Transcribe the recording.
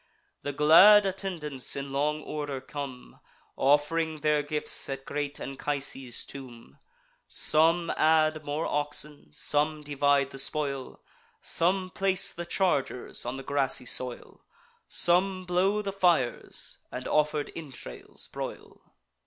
The glad attendants in long order come, Off'ring their gifts at great Anchises' tomb: Some add more oxen: some divide the spoil; Some place the chargers on the grassy soil; Some blow the fires, and offered entrails broil.